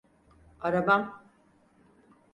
Arabam.